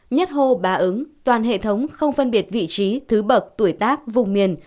nhất hồ bá ứng toàn hệ thống không phân biệt vị trí thứ bậc tuổi tác vùng miền